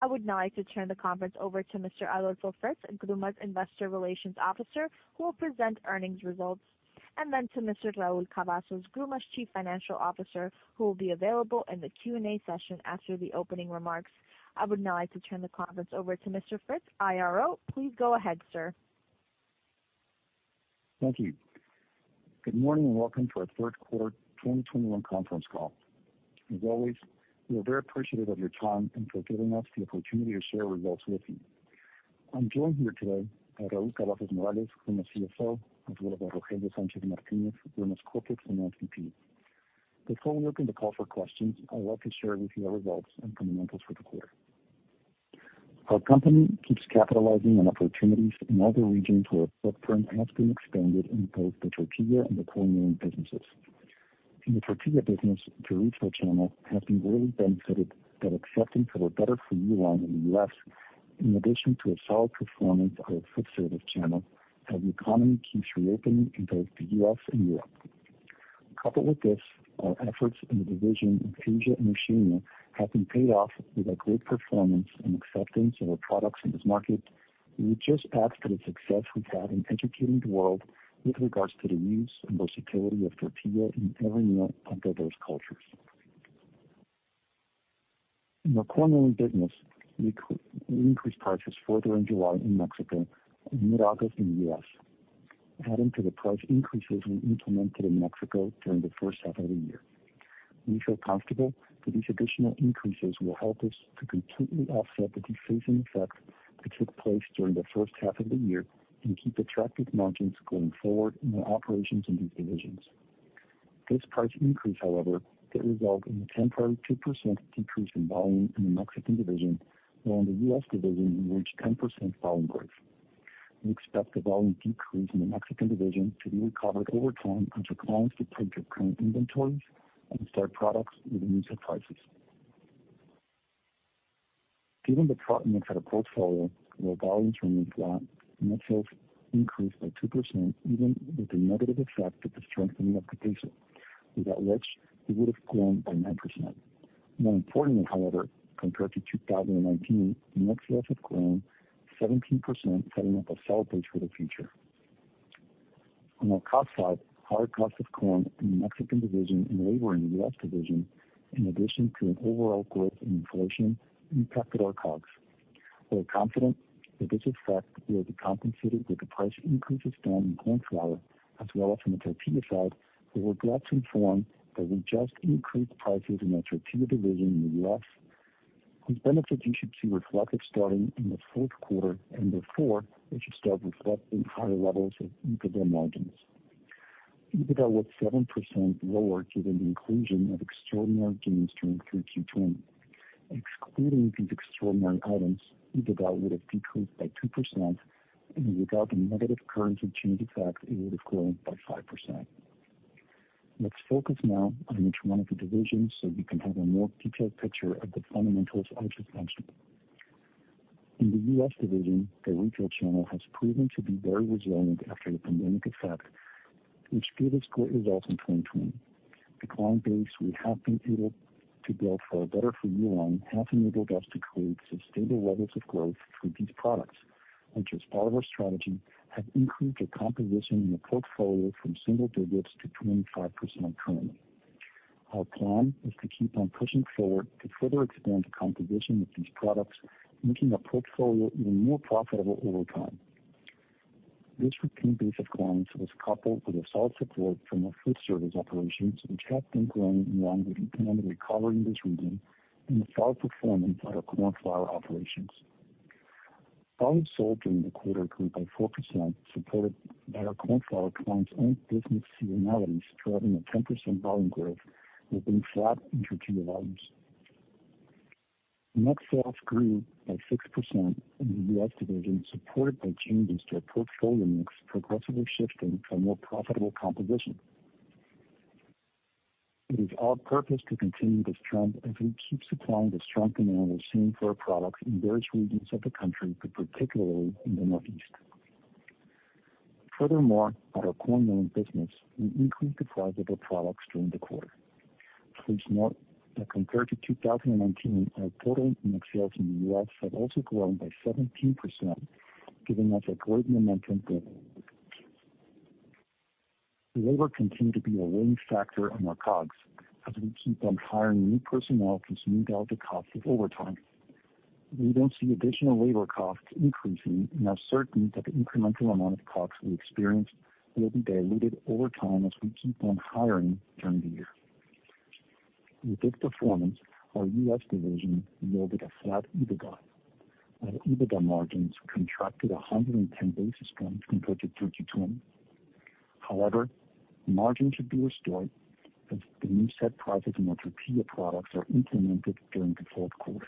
I would now like to turn the conference over to Mr. Adolfo Fritz, GRUMA's Investor Relations Officer, who will present earnings results, and then to Mr. Raul Cavazos, GRUMA's Chief Financial Officer, who will be available in the Q&A session after the opening remarks. I would now like to turn the conference over to Mr. Fritz, IRO. Please go ahead, sir. Thank you. Good morning and welcome to our third quarter 2021 conference call. As always, we are very appreciative of your time and for giving us the opportunity to share results with you. I'm joined here today by Raul Cavazos Morales, GRUMA's CFO, as well as by Rogelio Sanchez Martinez, GRUMA's Corporate Financial VP. Before we open the call for questions, I'd like to share with you our results and fundamentals for the quarter. Our company keeps capitalizing on opportunities in other regions where our footprint has been expanded in both the tortilla and the corn milling businesses. In the tortilla business, the retail channel has been really benefited by the acceptance of our Better for You line in the U.S., in addition to a solid performance of our food service channel as the economy keeps reopening in both the U.S. and Europe. Coupled with this, our efforts in the division in Asia and Oceania have been paid off with a great performance and acceptance of our products in this market, which just adds to the success we've had in educating the world with regards to the use and versatility of tortilla in every meal of diverse cultures. In our corn milling business, we increased prices further in July in Mexico and in August in the U.S., adding to the price increases we implemented in Mexico during the first half of the year. We feel comfortable that these additional increases will help us to completely offset the deflation effect that took place during the first half of the year and keep attractive margins going forward in our operations in these divisions. This price increase, however, did result in a temporary 2% decrease in volume in the Mexican division, while in the U.S. division, we reached 10% volume growth. We expect the volume decrease in the Mexican division to be recovered over time as our clients deplete their current inventories and start products with the new set prices. Given the product mix had a portfolio where volumes remained flat, net sales increased by 2% even with the negative effect of the strengthening of the peso, without which we would have grown by 9%. More importantly, however, compared to 2019, net sales have grown 17%, setting up a solid base for the future. On our cost side, higher costs of corn in the Mexican division and labor in the U.S. division, in addition to an overall growth in inflation, impacted our COGS. We are confident that this effect will be compensated with the price increases done in corn flour, as well as on the tortilla side, where we're glad to inform that we just increased prices in our tortilla division in the U.S. These benefits you should see reflected starting in the fourth quarter. Therefore, we should start reflecting higher levels of EBITDA margins. EBITDA was 7% lower given the inclusion of extraordinary gains during 3Q 2020. Excluding these extraordinary items, EBITDA would have decreased by 2%. Without the negative currency change effect, it would have grown by 5%. Let's focus now on each one of the divisions so we can have a more detailed picture of the fundamentals I just mentioned. In the U.S. division, the retail channel has proven to be very resilient after the pandemic effect, which fueled its growth results in 2020. The client base we have been able to build for our Better For You line has enabled us to create sustainable levels of growth for these products, which as part of our strategy, have increased their composition in the portfolio from single digits to 25% currently. Our plan is to keep on pushing forward to further expand the composition of these products, making our portfolio even more profitable over time. This retained base of clients was coupled with a solid support from our food service operations, which have been growing along with the economy recovery in this region, and a solid performance at our corn flour operations. Volumes sold during the quarter grew by 4%, supported by our corn flour clients' own business seasonality, driving a 10% volume growth with flat inter-period volumes. Net sales grew by 6% in the U.S. division, supported by changes to our portfolio mix progressively shifting to a more profitable composition. It is our purpose to continue this trend as we keep supplying the strong demand we're seeing for our products in various regions of the country, but particularly in the Northeast. Furthermore, at our corn milling business, we increased the price of our products during the quarter. Please note that compared to 2019, our total net sales in the U.S. have also grown by 17%, giving us a great momentum going forward. Labor continued to be a weighing factor on our COGS as we keep on hiring new personnel to smooth out the cost of overtime. We don't see additional labor costs increasing and are certain that the incremental amount of COGS we experience will be diluted over time as we keep on hiring during the year. With this performance, our U.S. division yielded a flat EBITDA, and EBITDA margins contracted 110 basis points compared to 3Q20. However, margin should be restored as the new set prices in our tortilla products are implemented during the fourth quarter.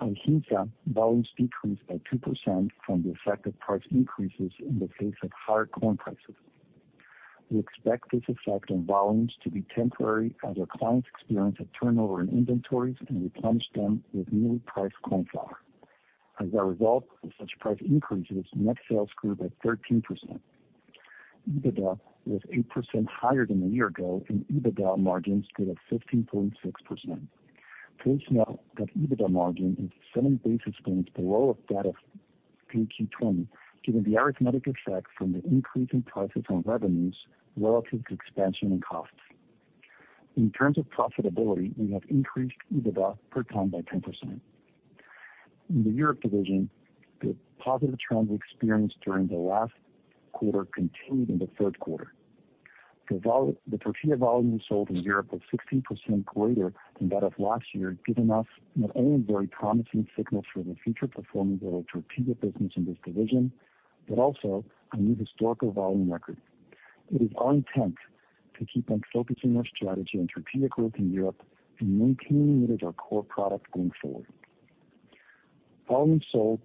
On Asia, volumes decreased by 2% from the effect of price increases in the face of higher corn prices. We expect this effect on volumes to be temporary as our clients experience a turnover in inventories and replenish them with newly priced corn flour. As a result of such price increases, net sales grew by 13%. EBITDA was 8% higher than a year ago, and EBITDA margins stood at 15.6%. Please note that EBITDA margin is 7 basis points below that of Q2 2020, given the arithmetic effect from the increase in prices on revenues relative to expansion in costs. In terms of profitability, we have increased EBITDA per ton by 10%. In the Europe division, the positive trends experienced during the last quarter continued in the third quarter. The tortilla volume sold in Europe was 16% greater than that of last year, giving us not only very promising signals for the future performance of our tortilla business in this division, but also a new historical volume record. It is our intent to keep on focusing our strategy on tortilla growth in Europe and maintaining it as our core product going forward. Volumes sold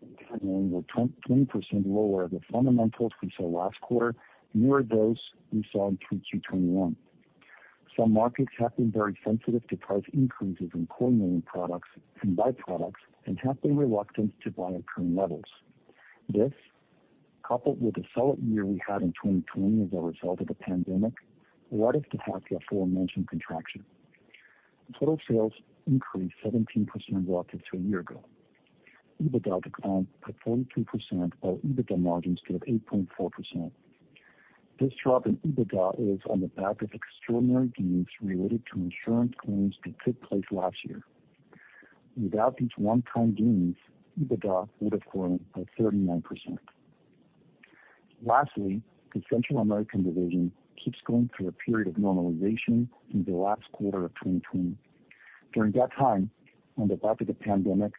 in cornmeal were 20% lower as the fundamentals we saw last quarter mirrored those we saw in Q2 2021. Some markets have been very sensitive to price increases in cornmeal products and byproducts and have been reluctant to buy at current levels. This, coupled with a solid year we had in 2020 as a result of the pandemic, led us to have the aforementioned contraction. Total sales increased 17% relative to a year ago. EBITDA declined by 43%, while EBITDA margins stood at 8.4%. This drop in EBITDA is on the back of extraordinary gains related to insurance claims that took place last year. Without these one-time gains, EBITDA would have grown by 39%. Lastly, the Central American division keeps going through a period of normalization since the last quarter of 2020. During that time, on the back of the pandemic,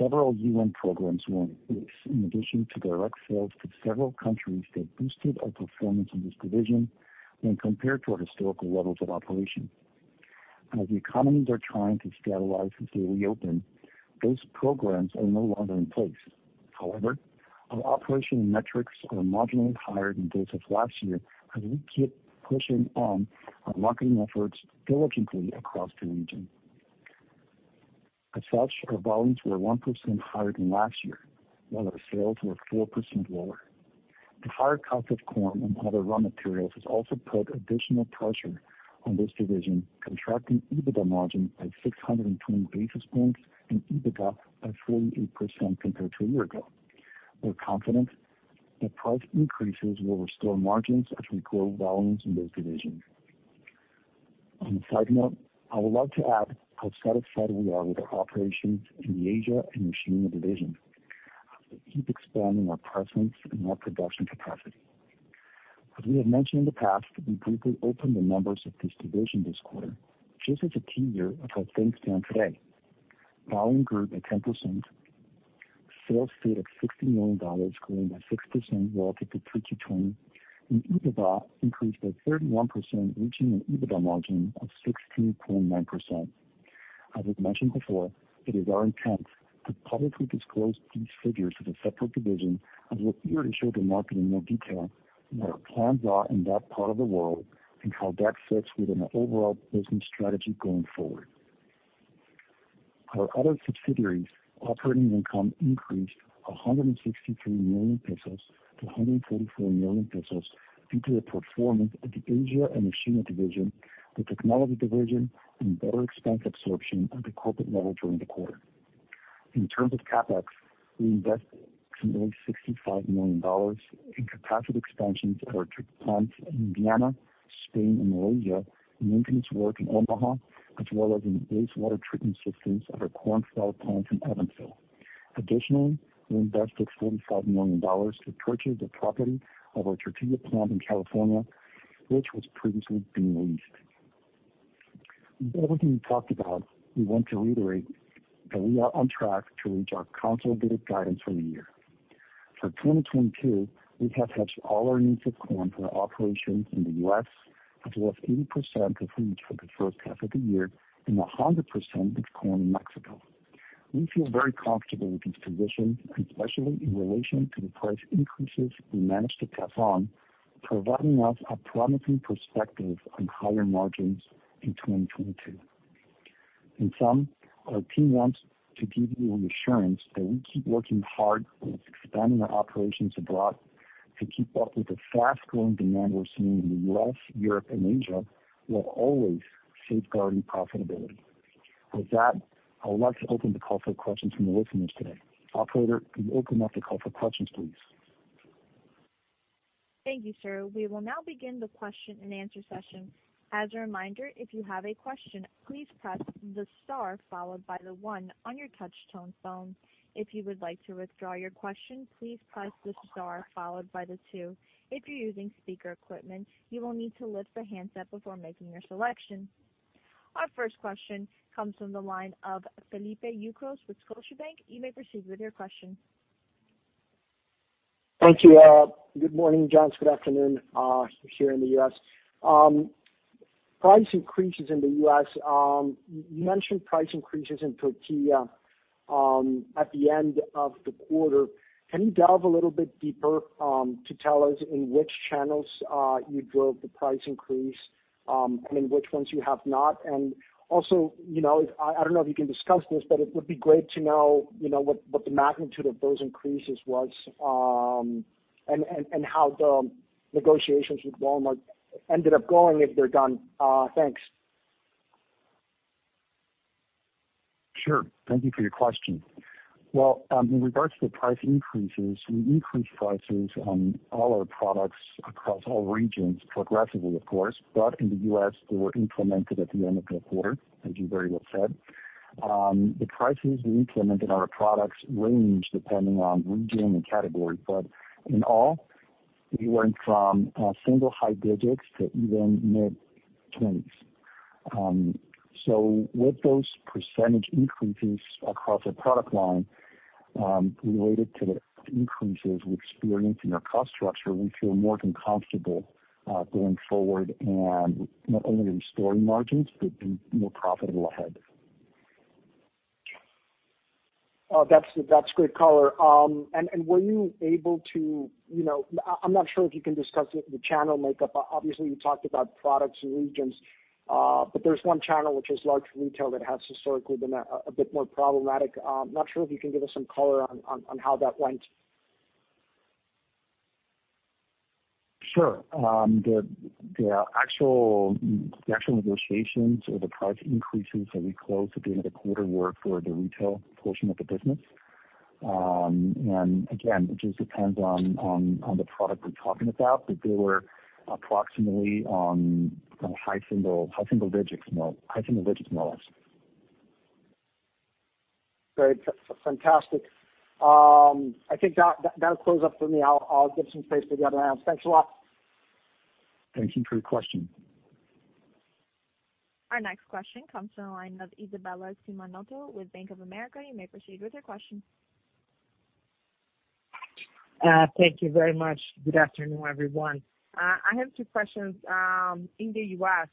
several UN programs were in place in addition to direct sales to several countries that boosted our performance in this division when compared to our historical levels of operation. As the economies are trying to stabilize as they reopen, those programs are no longer in place. However, our operational metrics are marginally higher than those of last year as we keep pushing on our marketing efforts diligently across the region. As such, our volumes were 1% higher than last year, while our sales were 4% lower. The higher cost of corn and other raw materials has also put additional pressure on this division, contracting EBITDA margin by 620 basis points and EBITDA by 48% compared to a year ago. We're confident that price increases will restore margins as we grow volumes in this division. On a side note, I would like to add how satisfied we are with our operations in the Asia and Oceania division as we keep expanding our presence and our production capacity. As we have mentioned in the past, we briefly opened the numbers of this division this quarter just as a teaser of how things stand today. Volume grew by 10%, sales stood at MXN 60 million, growing by 6% relative to Q2 2020, and EBITDA increased by 31%, reaching an EBITDA margin of 16.9%. As we've mentioned before, it is our intent to publicly disclose these figures as a separate division as we appear to show the market in more detail what our plans are in that part of the world and how that fits within our overall business strategy going forward. Our other subsidiaries' operating income increased 163 million pesos to 144 million pesos due to the performance of the Asia and Oceania division, the technology division, and better expense absorption at the corporate level during the quarter. In terms of CapEx, we invested nearly $65 million in capacity expansions at our tortilla plants in Indiana, Spain, and Malaysia, maintenance work in Omaha, as well as in the wastewater treatment systems of our corn flour plant in Evansville. Additionally, we invested $45 million to purchase the property of our tortilla plant in California, which was previously being leased. With everything we talked about, we want to reiterate that we are on track to reach our consolidated guidance for the year. For 2022, we have hedged all our needs of corn for our operations in the U.S., as well as 80% of wheat for the first half of the year and 100% of corn in Mexico. We feel very comfortable with this position, especially in relation to the price increases we managed to pass on, providing us a promising perspective on higher margins in 2022. In sum, our team wants to give you assurance that we keep working hard with expanding our operations abroad to keep up with the fast-growing demand we're seeing in the U.S., Europe, and Asia, while always safeguarding profitability. With that, I would like to open the call for questions from the listeners today. Operator, can you open up the call for questions, please? Thank you, sir. We will now begin the question-and-answer session. As a reminder, if you have a question, please press the star followed by the one on your touchtone phone. If you would like to withdraw your question, please press the star followed by the two. If you're using speaker equipment, you will need to lift the handset before making your selection. Our first question comes from the line of Felipe Ucros with Scotiabank. You may proceed with your question. Thank you. Good morning, John. Good afternoon here in the U.S. Price increases in the U.S. You mentioned price increases in tortilla at the end of the quarter. Can you delve a little bit deeper to tell us in which channels you drove the price increase and in which ones you have not? Also, I don't know if you can discuss this, but it would be great to know what the magnitude of those increases was and how the negotiations with Walmart ended up going, if they're done. Thanks. Sure. Thank you for your question. Well, in regards to the price increases, we increased prices on all our products across all regions, progressively, of course, but in the U.S., they were implemented at the end of the quarter, as you very well said. The prices we implemented on our products range depending on region and category, but in all, we went from single high digits to even mid-20s. With those percent increases across our product line related to the increases we experienced in our cost structure, we feel more than comfortable going forward and not only restoring margins, but being more profitable ahead. That's great color. I'm not sure if you can discuss the channel makeup. Obviously, you talked about products and regions, there's one channel which is large retail that has historically been a bit more problematic. I'm not sure if you can give us some color on how that went. Sure. The actual negotiations or the price increases that we closed at the end of the quarter were for the retail portion of the business. Again, it just depends on the product we're talking about, but they were approximately high single digits, more or less. Great. Fantastic. I think that'll close up for me. I'll give some space to the other analysts. Thanks a lot. Thank you for your question. Our next question comes from the line of Isabella Simonato with Bank of America. You may proceed with your question. Thank you very much. Good afternoon, everyone. I have two questions. In the U.S.,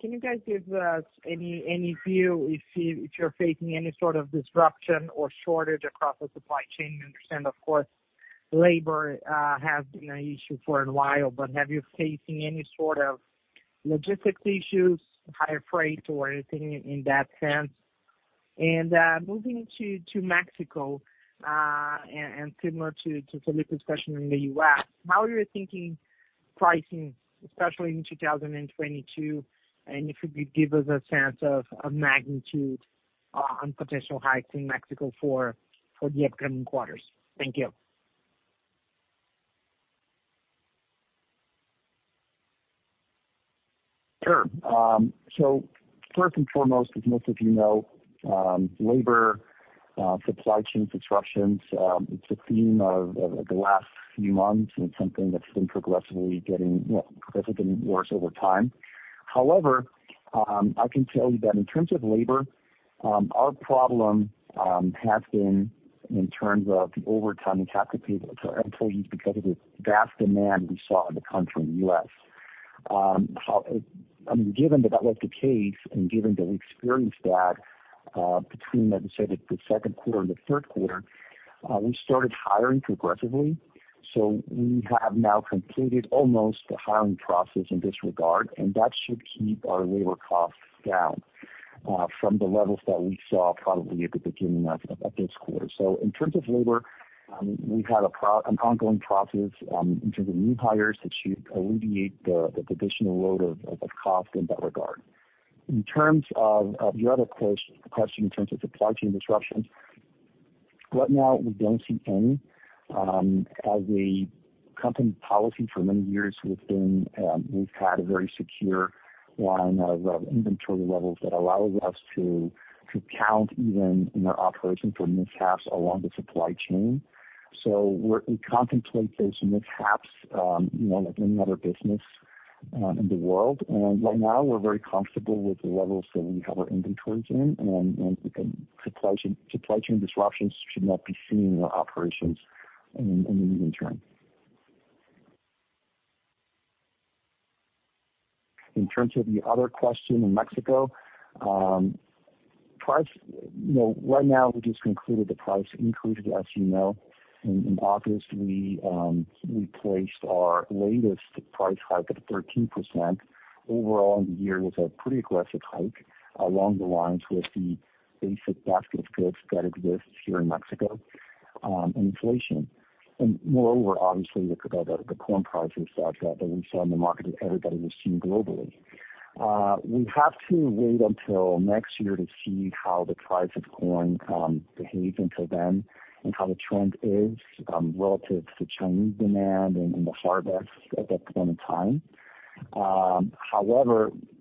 can you guys give us any view if you're facing any sort of disruption or shortage across the supply chain? I understand, of course, labor has been an issue for a while, but have you facing any sort of logistics issues, higher freight or anything in that sense? Moving to Mexico, similar to Felipe's question in the U.S., how are you thinking pricing, especially in 2022? If you could give us a sense of magnitude on potential hikes in Mexico for the upcoming quarters. First and foremost, as most of you know, labor supply chain disruptions, it's a theme of the last few months, and it's something that's been progressively getting worse over time. However, I can tell you that in terms of labor, our problem has been in terms of the overtime we have to pay our employees because of the vast demand we saw in the country, in the U.S. Given that was the case and given that we experienced that between, like I said, the second quarter and the third quarter, we started hiring progressively. We have now completed almost the hiring process in this regard, and that should keep our labor costs down from the levels that we saw probably at the beginning of this quarter. In terms of labor, we've had an ongoing process in terms of new hires that should alleviate the additional load of cost in that regard. In terms of the other question in terms of supply chain disruptions, right now we don't see any. As a company policy, for many years, we've had a very secure line of inventory levels that allows us to count even in our operations for mishaps along the supply chain. We contemplate those mishaps like any other business in the world. Right now, we're very comfortable with the levels that we have our inventories in, and supply chain disruptions should not be seen in our operations in the near term. In terms of the other question in Mexico, right now we just concluded the price increases, as you know. In August, we placed our latest price hike of 13%. Overall, in the year, it was a pretty aggressive hike along the lines with the basic basket of goods that exists here in Mexico and inflation. Moreover, obviously, look at all the corn prices that we saw in the market that everybody was seeing globally. We have to wait until next year to see how the price of corn behaves until then and how the trend is relative to Chinese demand and the harvest at that point in time.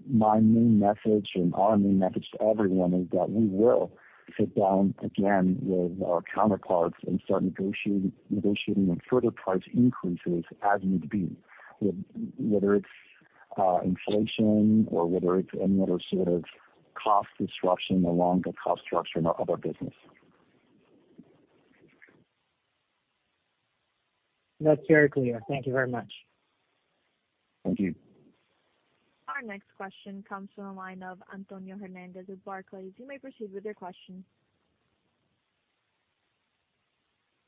My main message and our main message to everyone is that we will sit down again with our counterparts and start negotiating on further price increases as need be, whether it's inflation or whether it's any other sort of cost disruption along the cost structure in our business. That's very clear. Thank you very much. Thank you. Our next question comes from the line of Antonio Hernández of Barclays. You may proceed with your question.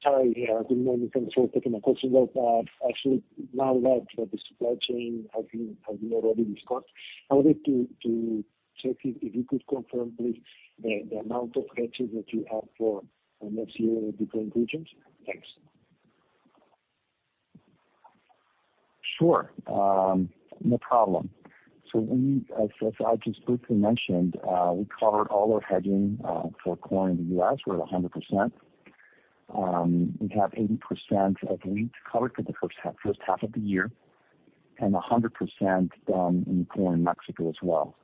Hi. Good morning. Thanks for taking my question. Well, actually, now that the supply chain has been already discussed, I wanted to check if you could confirm, please, the amount of hedges that you have for next year in different regions. Thanks. Sure. No problem. As I just briefly mentioned, we covered all our hedging for corn in the U.S. We're at 100%. We have 80% of wheat covered for the first half of the year, and 100% in corn in Mexico as well.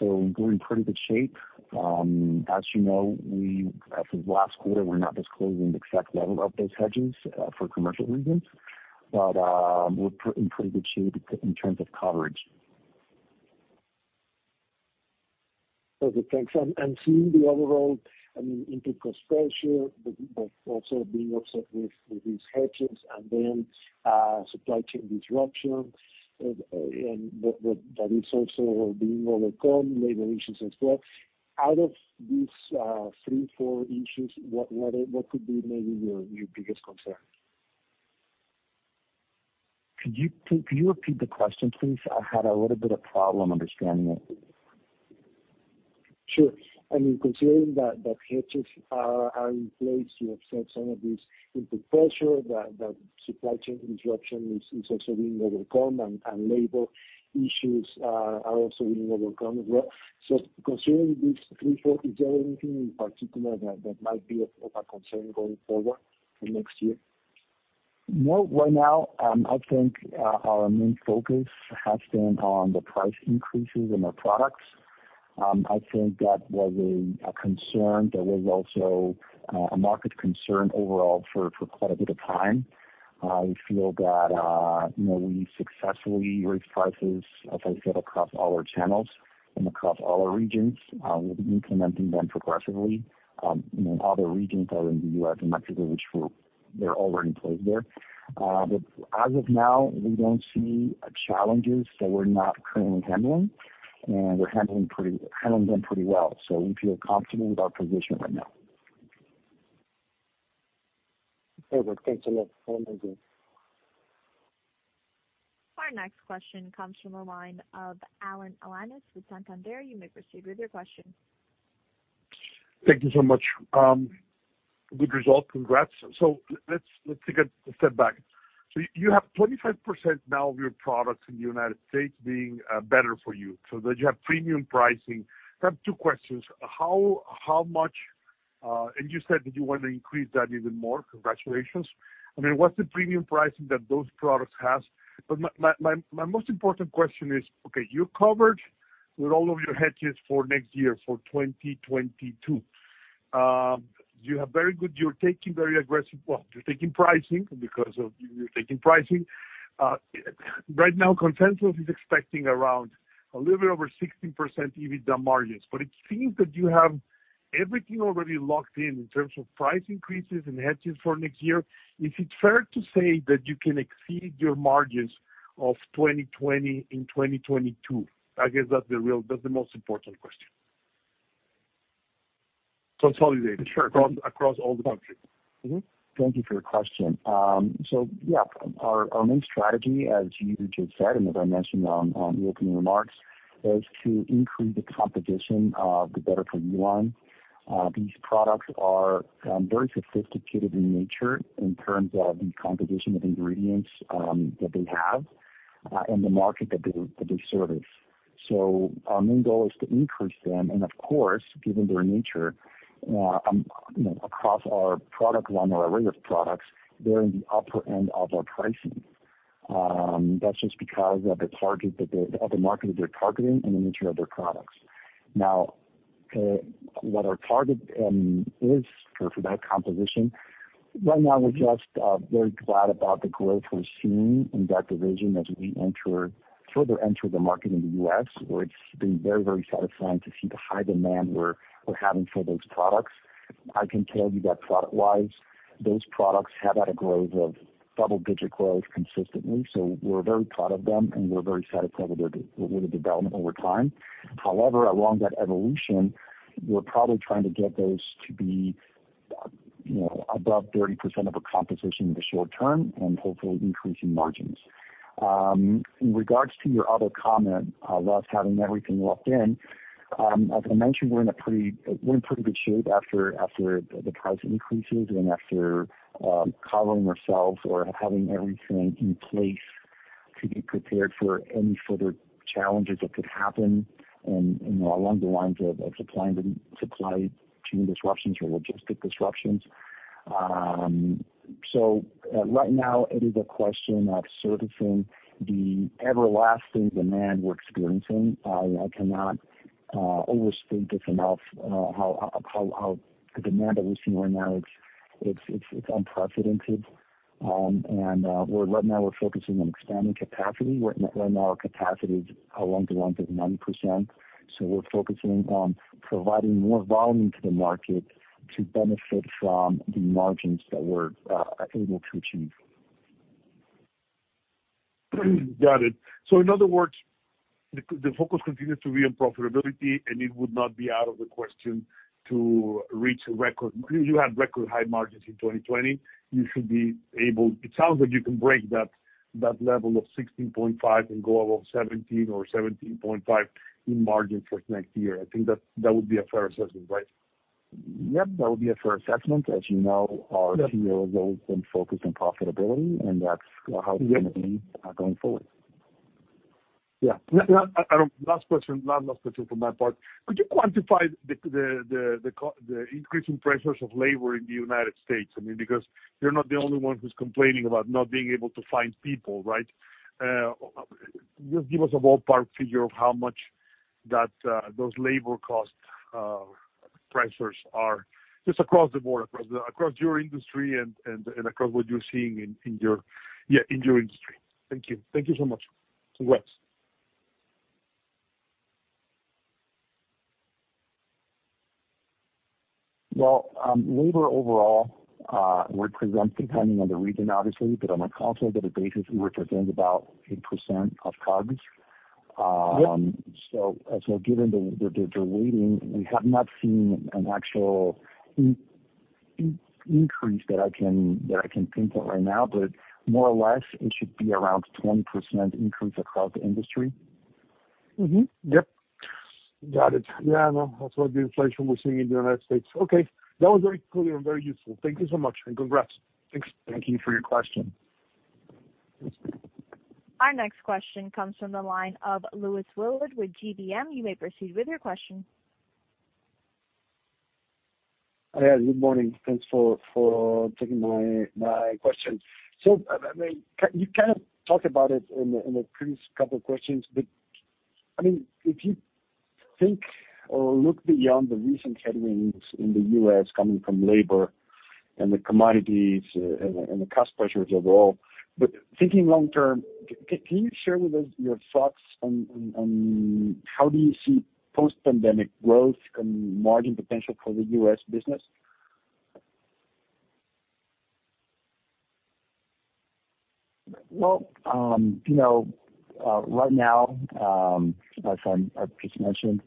We're in pretty good shape. As you know, as of last quarter, we're not disclosing the exact level of those hedges for commercial reasons, but we're in pretty good shape in terms of coverage. Okay, thanks. Seeing the overall input cost pressure, but also being offset with these hedges and then supply chain disruption, and that is also being overcome, labor issues as well. Out of these three, four issues, what could be maybe your biggest concern? Could you repeat the question, please? I had a little bit of problem understanding it. Sure. Considering that hedges are in place to offset some of this input pressure, that supply chain disruption is also being overcome and labor issues are also being overcome as well. Considering these three, four, is there anything in particular that might be of a concern going forward for next year? No. Right now, I think our main focus has been on the price increases in our products. I think that was a concern that was also a market concern overall for quite a bit of time. I feel that we successfully raised prices, as I said, across all our channels and across all our regions. We'll be implementing them progressively in other regions, other than the U.S. and Mexico, which they're already in place there. As of now, we don't see challenges that we're not currently handling, and we're handling them pretty well. We feel confident with our position right now. Very well. Thanks a lot. Have a nice day. Our next question comes from the line of Alan Alanis with Santander. You may proceed with your question. Thank you so much. Good result. Congrats. Let's take a step back. You have 25% now of your products in the United States being Better For You, so that you have premium pricing. I have two questions. You said that you want to increase that even more. Congratulations. What's the premium pricing that those products has? My most important question is, okay, you covered with all of your hedges for next year, for 2022. Well, you're taking pricing because of you're taking pricing. Right now, consensus is expecting around a little bit over 16% EBITDA margins, but it seems that you have everything already locked in terms of price increases and hedges for next year. Is it fair to say that you can exceed your margins of 2020 in 2022? I guess that's the most important question. Consolidated across all the countries. Mm-hmm. Thank you for your question. Yeah, our main strategy, as you just said, and as I mentioned on the opening remarks, is to increase the composition of the Better For You line. These products are very sophisticated in nature in terms of the composition of ingredients that they have, and the market that they service. Our main goal is to increase them, and of course, given their nature, across our product line or array of products, they're in the upper end of our pricing. That's just because of the market that they're targeting and the nature of their products. Now, what our target is for that composition, right now we're just very glad about the growth we're seeing in that division as we further enter the market in the U.S., where it's been very, very satisfying to see the high demand we're having for those products. I can tell you that product-wise, those products have had a growth of double-digit growth consistently. We're very proud of them, and we're very satisfied with their development over time. However, along that evolution, we're probably trying to get those to be above 30% of our composition in the short term and hopefully increasing margins. In regards to your other comment about us having everything locked in, as I mentioned, we're in pretty good shape after the price increases and after covering ourselves or having everything in place to be prepared for any further challenges that could happen along the lines of supply chain disruptions or logistic disruptions. Right now it is a question of servicing the everlasting demand we're experiencing. I cannot overstate this enough, how the demand that we're seeing right now, it's unprecedented. Right now we're focusing on expanding capacity. Right now our capacity is along the lines of 9%. We're focusing on providing more volume to the market to benefit from the margins that we're able to achieve. Got it. In other words, the focus continues to be on profitability, and it would not be out of the question to reach a record. You had record high margins in 2020. It sounds like you can break that level of 16.5% and go above 17% or 17.5% in margin for next year. I think that would be a fair assessment, right? Yep, that would be a fair assessment. As you know, our CEO has always been focused on profitability, and that's how it's going to be going forward. Yeah. Last question from my part. Could you quantify the increasing pressures of labor in the U.S.? You're not the only one who's complaining about not being able to find people, right? Just give us a ballpark figure of how much those labor cost pressures are just across the board, across your industry and across what you're seeing in your industry. Thank you. Thank you so much. Congrats. Well, labor overall, we're presuming depending on the region, obviously, but on a consolidated basis, we represent about 8% of COGS. Yep. Given the weighting, we have not seen an actual increase that I can pinpoint right now, but more or less, it should be around 20% increase across the industry. Mm-hmm. Yep. Got it. Yeah, I know. That's what the inflation we're seeing in the United States. Okay. That was very clear and very useful. Thank you so much, and congrats. Thanks. Thank you for your question. Our next question comes from the line of Luis Willard with GBM. You may proceed with your question. Yeah, good morning. Thanks for taking my question. You kind of talked about it in the previous couple of questions, but if you think or look beyond the recent headwinds in the U.S. coming from labor and the commodities and the cost pressures overall, but thinking long term, can you share with us your thoughts on how do you see post-pandemic growth and margin potential for the U.S. business? Well, right now, as I just mentioned,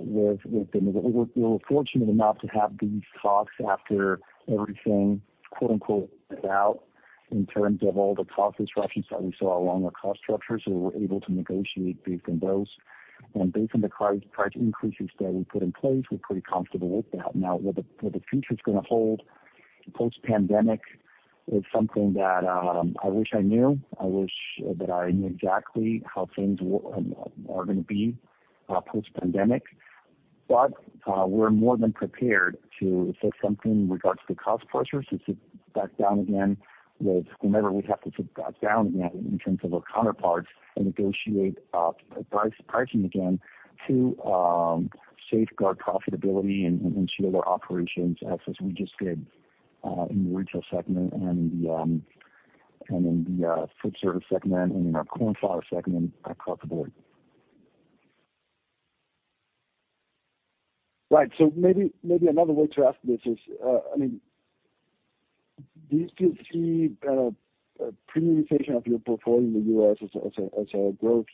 we were fortunate enough to have these talks after everything "played out" in terms of all the cost disruptions that we saw along our cost structure. We were able to negotiate based on those. Based on the price increases that we put in place, we're pretty comfortable with that. Now, what the future is going to hold post-pandemic is something that I wish I knew. I wish that I knew exactly how things are going to be post-pandemic. We're more than prepared to assist something in regards to the cost pressures, to sit back down again with whomever we have to sit back down again in terms of our counterparts and negotiate pricing again to safeguard profitability and shield our operations as we just did in the retail segment and in the food service segment and in our corn flour segment across the board. Right. Maybe another way to ask this is, do you still see premiumization of your portfolio in the U.S. as a growth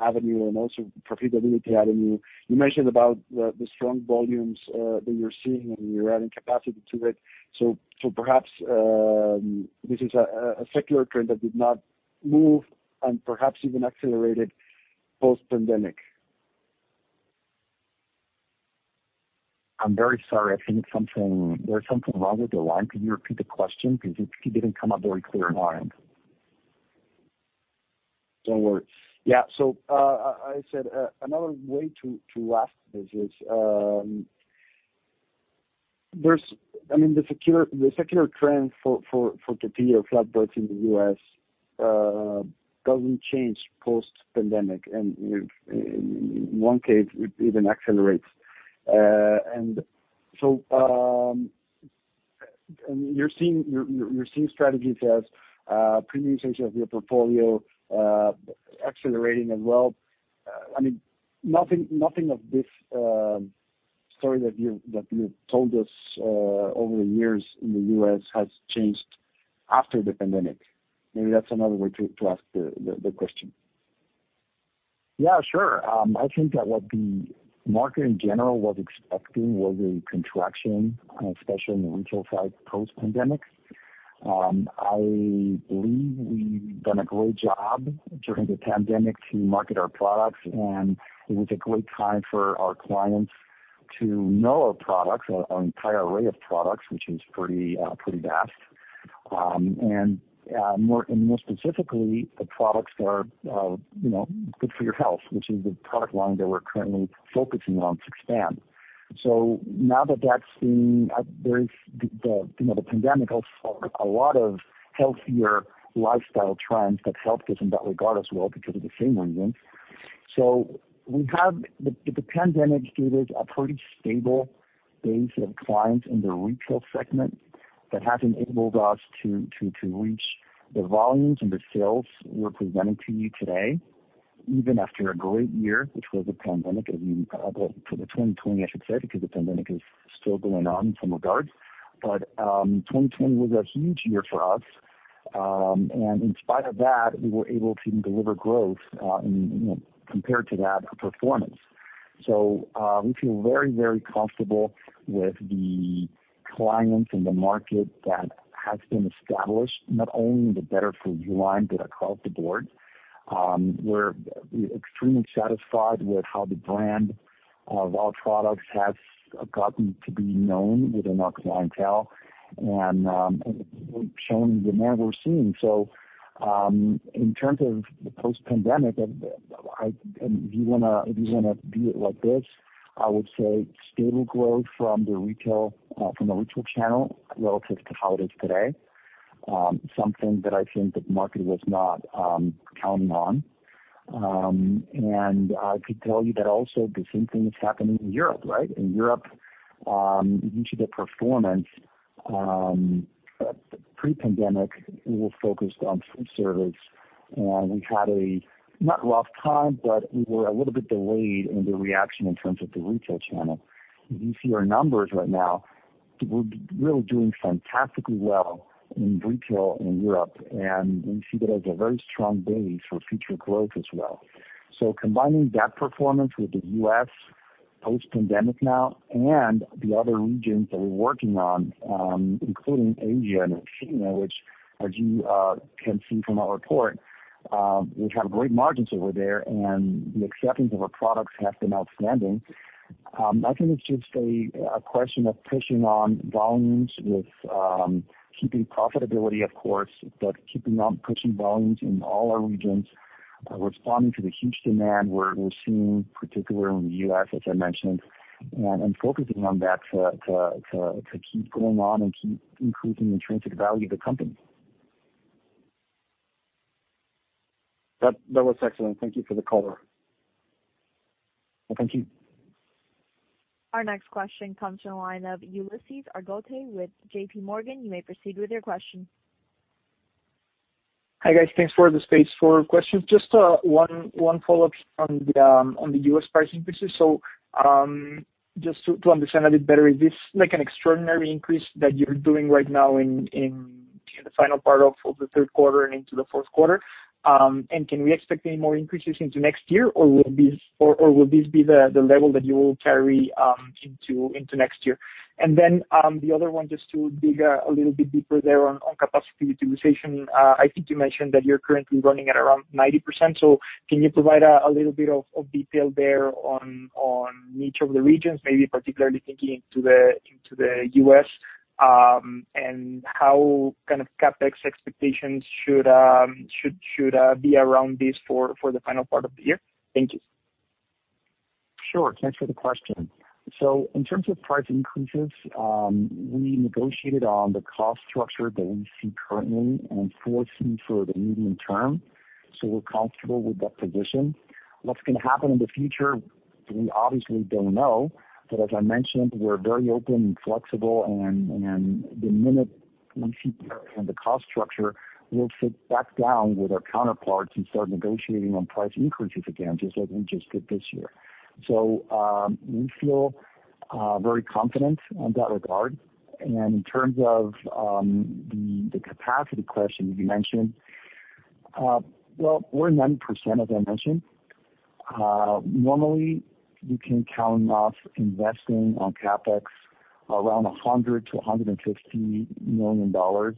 avenue and also profitability avenue? You mentioned about the strong volumes that you're seeing, and you're adding capacity to it. Perhaps this is a secular trend that did not move and perhaps even accelerated post-pandemic. I'm very sorry. I think there's something wrong with your line. Can you repeat the question? It didn't come up very clear on my end. Don't worry. Yeah. I said, another way to ask this is, the secular trend for tortilla flatbreads in the U.S. doesn't change post-pandemic, and in one case, it even accelerates. You're seeing strategies as premiumization of your portfolio accelerating as well. Nothing of this story that you've told us over the years in the U.S. has changed after the pandemic. Maybe that's another way to ask the question. Yeah, sure. I think that what the market in general was expecting was a contraction, especially in the retail side, post-pandemic. I believe we've done a great job during the pandemic to market our products. It was a great time for our clients to know our products, our entire array of products, which is pretty vast. More specifically, the products that are good for your health, which is the product line that we're currently focusing on to expand. The pandemic also a lot of healthier lifestyle trends that helped us in that regard as well because of the same reason. The pandemic gave us a pretty stable base of clients in the retail segment that has enabled us to reach the volumes and the sales we're presenting to you today, even after a great year, which was the pandemic, or the 2020, I should say, because the pandemic is still going on in some regards. 2020 was a huge year for us. In spite of that, we were able to deliver growth compared to that performance. We feel very comfortable with the clients and the market that has been established, not only in the Better For You line, but across the board. We're extremely satisfied with how the brand of our products has gotten to be known within our clientele and with the demand we're seeing. In terms of the post-pandemic, if you want to view it like this, I would say stable growth from the retail channel relative to how it is today, something that I think the market was not counting on. I could tell you that also the same thing is happening in Europe. In Europe, if you see the performance, pre-pandemic, we were focused on food service, and we had a not rough time, but we were a little bit delayed in the reaction in terms of the retail channel. If you see our numbers right now, we're really doing fantastically well in retail in Europe, and we see that as a very strong base for future growth as well. Combining that performance with the U.S. post-pandemic now and the other regions that we're working on, including Asia and Oceania, which, as you can see from our report, we have great margins over there, and the acceptance of our products has been outstanding. I think it's just a question of pushing on volumes with keeping profitability, of course, but keeping on pushing volumes in all our regions, responding to the huge demand we're seeing, particularly in the U.S., as I mentioned, and focusing on that to keep going on and keep increasing the intrinsic value of the company. That was excellent. Thank you for the color. Thank you. Our next question comes from the line of Ulises Argote with JPMorgan. You may proceed with your question. Hi, guys. Thanks for the space. Four questions. Just one follow-up on the U.S. price increases. Just to understand a bit better, is this an extraordinary increase that you're doing right now in the final part of the third quarter and into the fourth quarter? Can we expect any more increases into next year, or will this be the level that you will carry into next year? The other one, just to dig a little bit deeper there on capacity utilization. I think you mentioned that you're currently running at around 90%, so can you provide a little bit of detail there on each of the regions, maybe particularly thinking into the U.S., and how kind of CapEx expectations should be around this for the final part of the year? Thank you. Sure. Thanks for the question. In terms of price increases, we negotiated on the cost structure that we see currently and foresee for the medium term. We're comfortable with that position. What's going to happen in the future, we obviously don't know. As I mentioned, we're very open and flexible and the minute we see that in the cost structure, we'll sit back down with our counterparts and start negotiating on price increases again, just like we just did this year. We feel very confident in that regard. In terms of the capacity question you mentioned, well, we're 9%, as I mentioned. Normally, you can count on us investing on CapEx around $100 million-$150 million.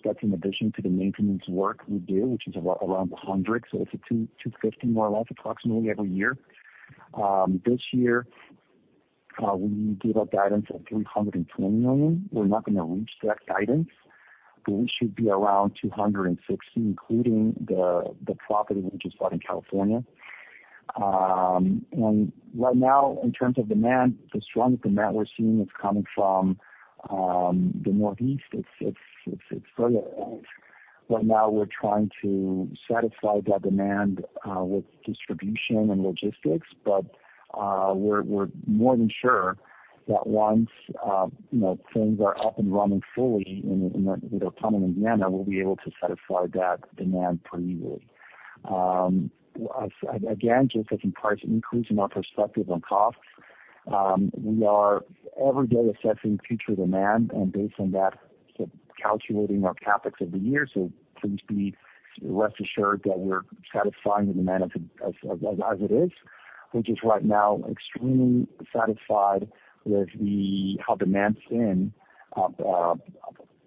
That's in addition to the maintenance work we do, which is around $100. It's a $250 more or less approximately every year. This year, we gave our guidance of $320 million. We're not going to reach that guidance, we should be around $260, including the property we just bought in California. Right now, in terms of demand, the strong demand we're seeing is coming from the Northeast. It's further out. Right now, we're trying to satisfy that demand with distribution and logistics. We're more than sure that once things are up and running fully in the autumn in Indiana, we'll be able to satisfy that demand pretty easily. Again, just as in price increase and our perspective on costs, we are every day assessing future demand and based on that, calculating our CapEx of the year. Please be rest assured that we're satisfying the demand as it is, which is right now extremely satisfied with how demand is in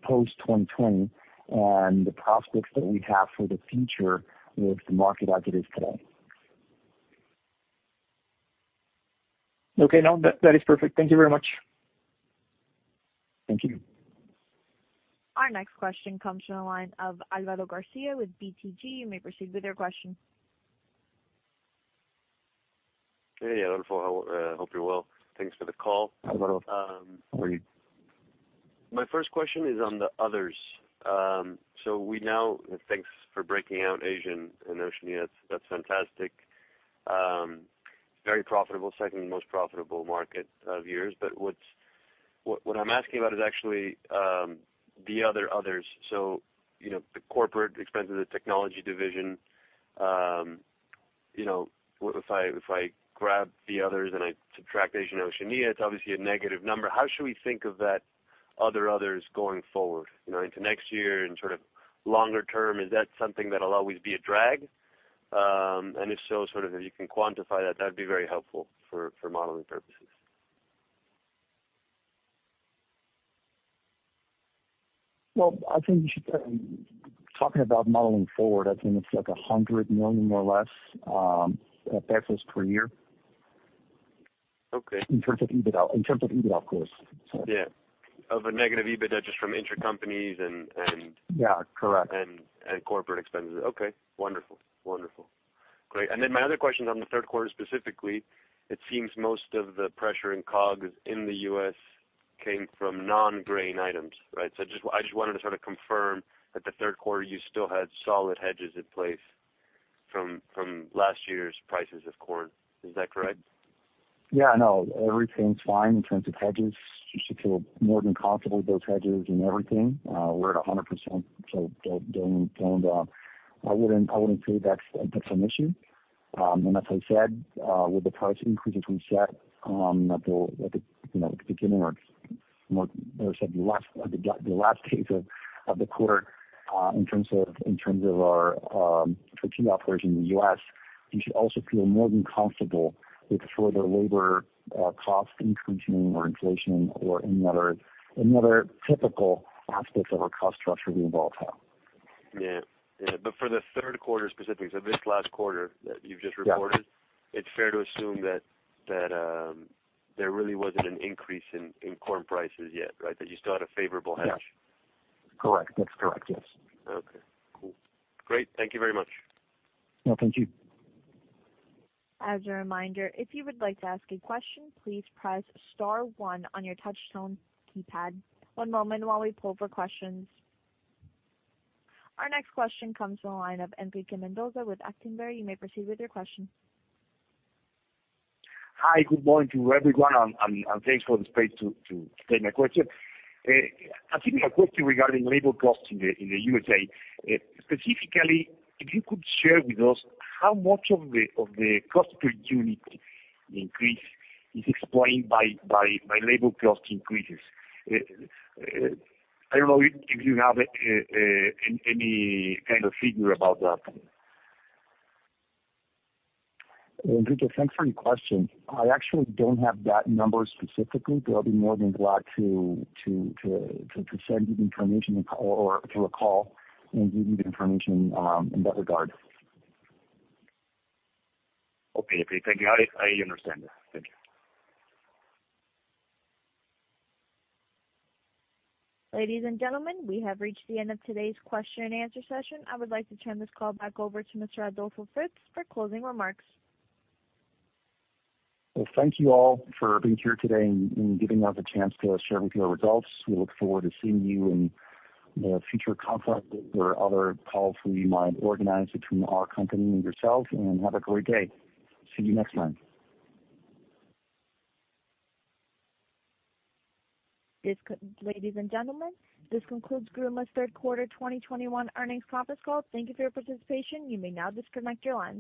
post-2020 and the prospects that we have for the future with the market as it is today. Okay, no, that is perfect. Thank you very much. Thank you. Our next question comes from the line of Alvaro Garcia with BTG. You may proceed with your question. Hey, Adolfo. Hope you're well. Thanks for the call. Alvaro, how are you? My first question is on the others. Thanks for breaking out Asia and Oceania. That's fantastic. Very profitable, second most profitable market of yours. What I'm asking about is actually the other others. The corporate expenses, the technology division. If I grab the others and I subtract Asia and Oceania, it's obviously a negative number. How should we think of that other others going forward into next year and sort of longer term? Is that something that'll always be a drag? If so, sort of if you can quantify that'd be very helpful for modeling purposes. Well, Talking about modeling forward, I think it's like 100 million, more or less, per year. Okay. In terms of EBITDA, of course. Yeah. Of a negative EBITDA just from intercompanies. Yeah, correct. Corporate expenses. Okay. Wonderful. Great. My other question on the third quarter specifically, it seems most of the pressure in COGS in the U.S. came from non-grain items, right? I just wanted to sort of confirm that the third quarter, you still had solid hedges in place from last year's prices of corn. Is that correct? Yeah, no, everything's fine in terms of hedges. You should feel more than comfortable with those hedges and everything. We're at 100%. Don't worry about it. I wouldn't say that's an issue. As I said, with the price increases we set at the beginning or, better said, the last days of the quarter, in terms of our tortilla operation in the U.S., you should also feel more than comfortable with further labor cost increasing or inflation or any other typical aspects of our cost structure being volatile. Yeah. For the third quarter specifics of this last quarter that you've just reported. Yeah. It's fair to assume that there really wasn't an increase in corn prices yet, right? That you still had a favorable hedge? Yeah. Correct. That's correct, yes. Okay, cool. Great. Thank you very much. No, thank you. As a reminder if you would like to ask a question please press star one on your touchtone keypad. One moment while we pull the questions. Our next question comes from the line of Enrique Mendoza with Actinver. You may proceed with your question. Hi. Good morning to everyone, thanks for the space to state my question. I think my question regarding labor cost in the U.S., specifically, if you could share with us how much of the cost per unit increase is explained by labor cost increases. I don't know if you have any kind of figure about that. Enrique, thanks for your question. I actually don't have that number specifically, but I'll be more than glad to send you the information or to call and give you the information in that regard. Okay, great. Thank you. I understand. Thank you. Ladies and gentlemen, we have reached the end of today's question and answer session. I would like to turn this call back over to Mr. Adolfo Fritz for closing remarks. Well, thank you all for being here today and giving us a chance to share with you our results. We look forward to seeing you in a future conference or other calls we might organize between our company and yourselves. Have a great day. See you next time. Ladies and gentlemen, this concludes GRUMA's third quarter 2021 earnings conference call. Thank you for your participation. You may now disconnect your lines.